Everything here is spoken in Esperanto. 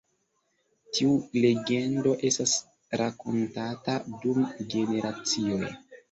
Tiu legendo estas rakontata dum generacioj.